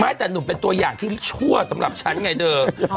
แต่หนุ่มเป็นตัวอย่างที่ชั่วสำหรับฉันไงเธอ